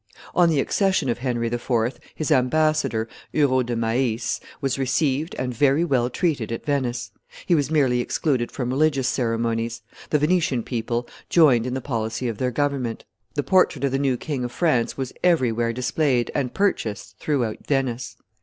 On the accession of Henry IV., his ambassador, Hurault de Maisse, was received and very well treated at Venice; he was merely excluded from religious ceremonies: the Venetian people joined in the policy of their government; the portrait of the new King of France was everywhere displayed and purchased throughout Venice.